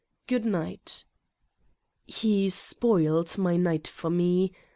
Good night I" He spoiled my night for me.